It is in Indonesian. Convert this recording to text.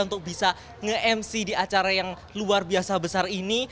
untuk bisa nge mc di acara yang luar biasa besar ini